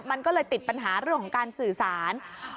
มันก็เลยติดปัญหาเรื่องของการสื่อสาร